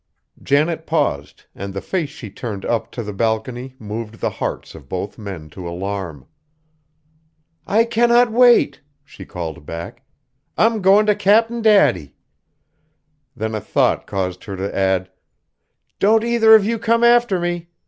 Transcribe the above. Janet paused, and the face she turned up to the balcony moved the hearts of both men to alarm. "I cannot wait!" she called back. "I'm going to Cap'n Daddy!" Then a thought caused her to add, "Don't either of you come after me!